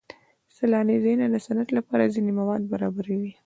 سیلاني ځایونه د صنعت لپاره ځینې مواد برابروي.